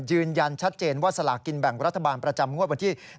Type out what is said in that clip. ยืนยันชัดเจนว่าสลากินแบ่งรัฐบาลประจำงวดวันที่